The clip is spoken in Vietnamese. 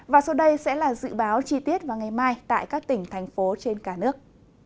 và sau đây sẽ là dự báo chi tiết vào ngày mai tại các tỉnh thành phố trên cả nước